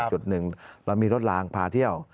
จุดหนึ่งเรามีรถลางพาเที่ยว